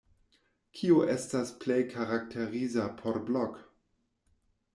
Kio estas plej karakteriza por Blok?